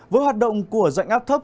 với hoạt động của dạnh áp thấp